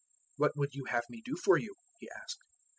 010:036 "What would you have me do for you?" He asked.